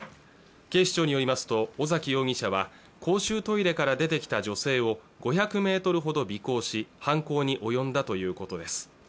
警視庁によりますと尾崎容疑者は公衆トイレから出てきた女性を５００メートルほど尾行し犯行に及んだということです